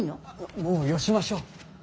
もうよしましょう。